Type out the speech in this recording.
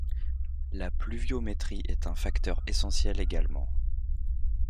La pluviométrie et un facteur essentiel également.